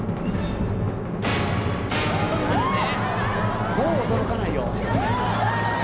もう驚かないよ。